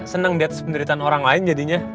senang di atas penderitaan orang lain jadinya